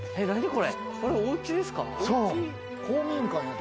これ、おうちですか？